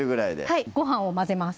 いご飯を混ぜます